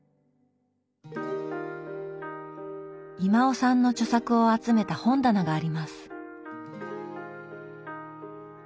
威馬雄さんの著作を集めた本棚があります。